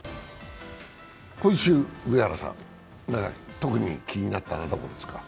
今週、上原さん特に気になったのはどこですか？